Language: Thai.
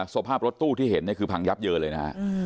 สภาพรถตู้ที่เห็นคือพังยับเยินเลยนะฮะ